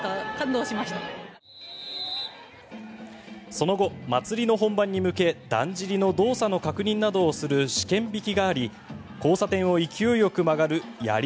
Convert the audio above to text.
その後、祭りの本番に向けだんじりの動作の確認などをする試験びきがあり交差点を勢いよく曲がるやり